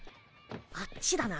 あっちだな。